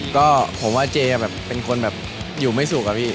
ก็ผมว่าเจ๊เป็นคนอยู่ไม่สุขครับพี่